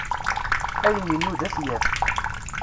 Ayen inuda ad t-yaf.